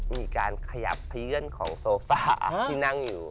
มีการขยับขยื่นของโซฟาที่นั่งอยู่